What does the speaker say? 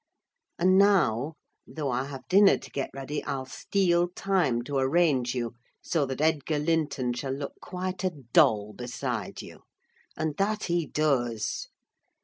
And now, though I have dinner to get ready, I'll steal time to arrange you so that Edgar Linton shall look quite a doll beside you: and that he does.